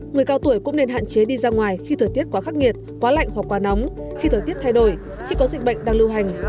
người cao tuổi cũng nên hạn chế đi ra ngoài khi thời tiết quá khắc nghiệt quá lạnh hoặc quá nóng khi thời tiết thay đổi khi có dịch bệnh đang lưu hành